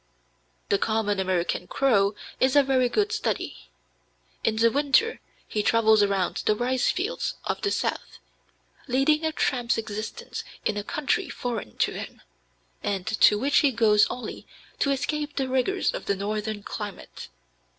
The common American crow is a very good study. In the winter he travels around the ricefields of the South, leading a tramp's existence in a country foreign to him, and to which he goes only to escape the rigors of the northern climate.